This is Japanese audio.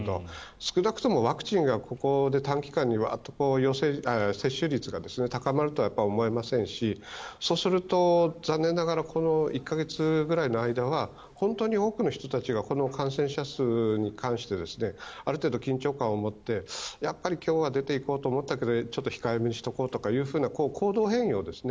少なくともワクチンがここで短期間でワーッと接種率が高まるとは思えませんしそうすると残念ながらこの１か月の間は本当に多くの人たちがこの感染者数に関してある程度緊張感を持って今日は出ていこうと思ったけどちょっと控えめにしておこうという行動変容ですね